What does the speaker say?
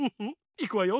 いくわよ。